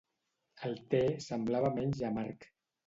El te semblava menys amarg.